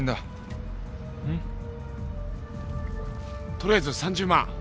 とりあえず３０万。